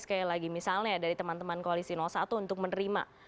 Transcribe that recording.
sekali lagi misalnya dari teman teman koalisi satu untuk menerima